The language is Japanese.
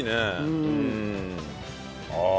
ああ！